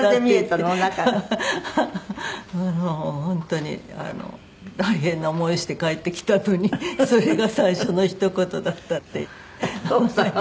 本当に「大変な思いして帰ってきたのにそれが最初のひと言だった」って言って。